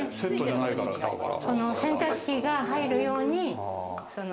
洗濯機が入るように。